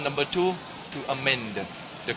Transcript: คุณคิดเรื่องนี้ได้ไหม